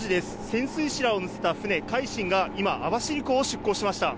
潜水士らを乗せた船「海進」が今、網走港を出港しました。